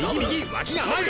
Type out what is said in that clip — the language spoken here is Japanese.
脇が甘い！